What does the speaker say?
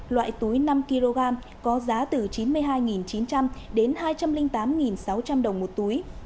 loại túi năm kg có giá từ chín mươi hai chín trăm linh đến hai trăm linh tám sáu trăm linh đồng một túi